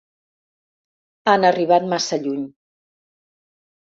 Han arribat massa lluny.